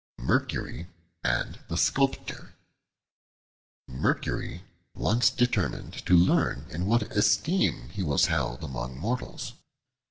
Mercury and the Sculptor MERCURY ONCE DETERMINED to learn in what esteem he was held among mortals.